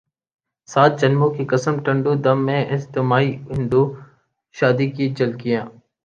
سات جنموں کی قسم ٹنڈو دم میں اجتماعی ہندو شادی کی جھلکیاں